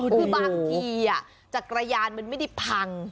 คือบางทีจักรยานมันไม่ได้พัง